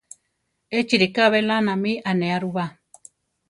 Échi ríka belána mi anéa ru ba.